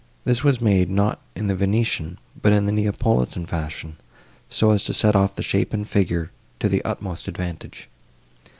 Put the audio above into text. This was made, not in the Venetian, but, in the Neapolitan fashion, so as to set off the shape and figure, to the utmost advantage.